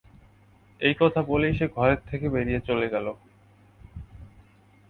এই কথা বলেই সে ঘরের থেকে বেরিয়ে চলে গেল।